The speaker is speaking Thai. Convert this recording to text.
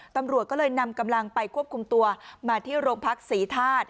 ตำรวจก็เลยนำกำลังไปควบคุมตัวมาที่โรงพักศรีธาตุ